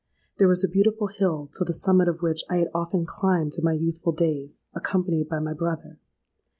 There was a beautiful hill to the summit of which I had often climbed in my youthful days, accompanied by my brother.